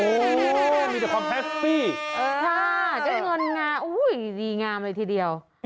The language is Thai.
โอ้โหมีแต่ความแฮสตี้เออค่ะจังหวันงาอุ้ยดีงามเลยทีเดียว